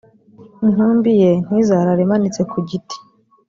intumbi ye ntizarare imanitse ku giti;